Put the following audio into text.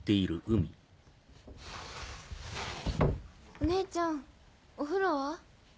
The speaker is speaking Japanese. お姉ちゃんお風呂は？